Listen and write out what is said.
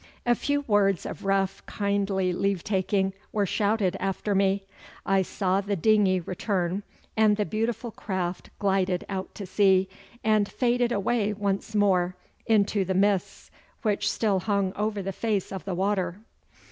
A few words of rough, kindly leave taking were shouted after me; I saw the dinghy return, and the beautiful craft glided out to sea and faded away once more into the mists which still hung over the face of the waters.